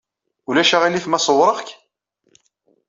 Ulac aɣilif ma ṣewwreɣ-k?